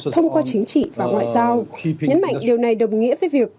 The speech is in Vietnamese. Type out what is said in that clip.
thông qua chính trị và ngoại giao nhấn mạnh điều này đồng nghĩa với việc